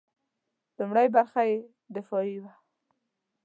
لومړۍ برخه یې دفاعي وه.